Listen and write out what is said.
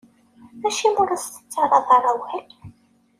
Acimi ur as-tettarraḍ ara awal?